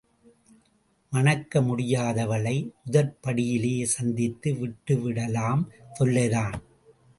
மணக்க முடியாதவளை முதற்படியிலேயே சந்தித்து விட்டுவிட்டாலும் தொல்லைதான்.